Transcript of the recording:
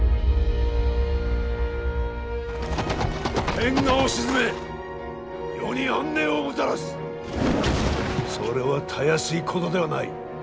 天下を鎮め世に安寧をもたらすそれはたやすいことではない。